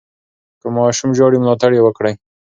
که ماشوم ژاړي، ملاتړ یې وکړئ.